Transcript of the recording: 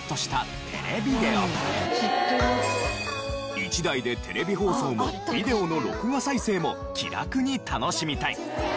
１台でテレビ放送もビデオの録画再生も気楽に楽しみたい。